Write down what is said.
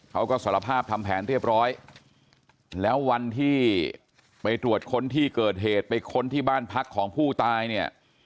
เขาก็สารภาพทำแผนเรียบร้อยแล้ววันที่ไปตรวจค้นที่เกิดเหตุไปค้นที่บ้านพักของผู้ตายเนี่ย